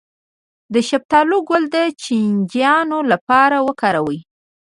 د شفتالو ګل د چینجیانو لپاره وکاروئ